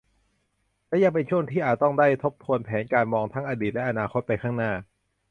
และยังเป็นช่วงที่อาจต้องได้ทบทวนแผนการ มองทั้งอดีตและอนาคตไปข้างหน้า